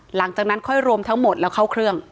หลังจากนั้นค่อยรวมทั้งหมดแล้วเข้าเครื่อง